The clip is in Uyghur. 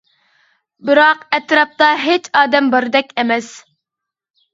بىراق ئەتراپتا ھېچ ئادەم باردەك ئەمەس.